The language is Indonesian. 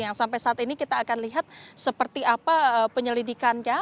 yang sampai saat ini kita akan lihat seperti apa penyelidikannya